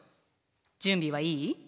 準備はいい？